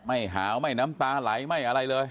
หาวไม่น้ำตาไหลไม่อะไรเลย